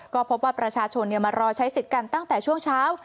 ก็พบว่าประชาชนมารอใช้สิทธิ์กันตั้งแต่ช่วงเช้า